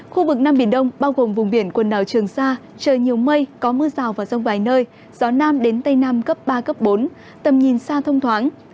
khu vực nam biển đông bao gồm vùng biển quần đảo trường sa trời nhiều mây có mưa rào và rông vài nơi gió nam đến tây nam cấp ba bốn tầm nhìn xa thông thoáng